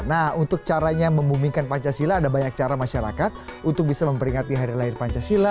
nah untuk caranya membumikan pancasila ada banyak cara masyarakat untuk bisa memperingati hari lahir pancasila